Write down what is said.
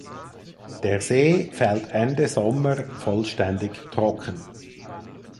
Der See fällt Ende Sommer vollständig trocken.